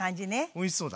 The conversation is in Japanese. おいしそうだ。